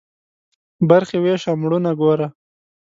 برخي ويشه ، مړونه گوره.